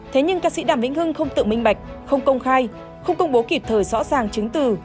thế nhưng ca sĩ đàm vĩnh hưng không tự minh bạch không công khai không công bố kịp thời rõ ràng chứng từ